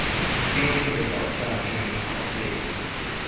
幽靜的小巷令人陶醉